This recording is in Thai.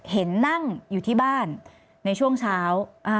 เห็นนั่งอยู่ที่บ้านในช่วงเช้า